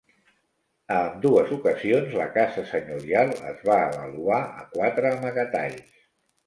A ambdues ocasions, la casa senyorial es va avaluar a quatre amagatalls.